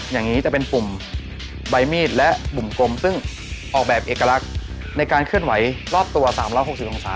อย่างนี้จะเป็นปุ่มใบมีดและปุ่มกลมซึ่งออกแบบเอกลักษณ์ในการเคลื่อนไหวรอบตัว๓๖๐องศา